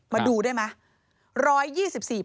มาดูได้ไหม